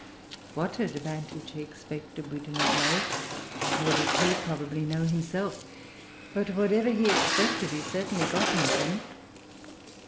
What advantage he expected we do not know, nor did he probably know himself. But, whatever he expected, he[Pg 373] certainly got nothing.